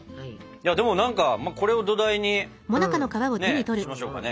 でも何かこれを土台にしましょうかね。